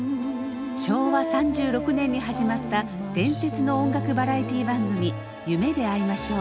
昭和３６年に始まった伝説の音楽バラエティー番組「夢であいましょう」。